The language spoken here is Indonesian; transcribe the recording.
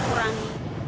jadi kita kurangi